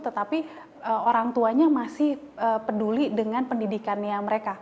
tetapi orang tuanya masih peduli dengan pendidikannya mereka